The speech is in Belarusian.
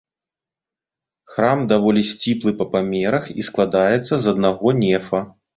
Храм даволі сціплы па памерах і складаецца з аднаго нефа.